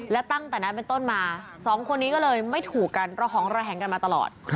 และตั้งแต่นั้นเป็นต้นมาสองคนนี้ก็เลยไม่ถูกกันระหองระแหงกันมาตลอด